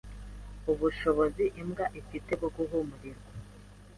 Ubushobozi imbwa ifite bwo guhumurirwa